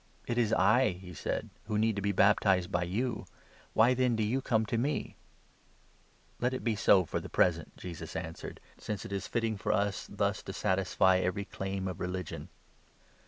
"It is I," he said, "who need to be baptized by you ; why then do you come to me ?" "Let it be so for the present," Jesus answered, "since 15 it is fitting for us thus to satisfy every claim of religion."